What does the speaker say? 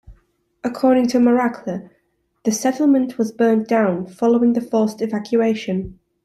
According to Maracle, the settlement was burned down following the forced evacuation.